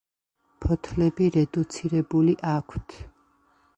ფოთლები რედუცირებული აქვთ.